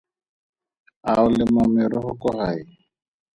A o lema merogo kwa gae?